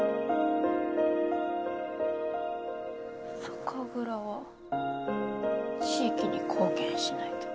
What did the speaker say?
酒蔵は地域に貢献しないと。